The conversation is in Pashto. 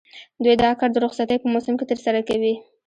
دوی دا کار د رخصتیو په موسم کې ترسره کوي